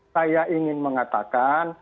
saya ingin mengatakan